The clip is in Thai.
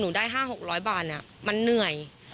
ได้๕๖๐๐บาทมันเหนื่อย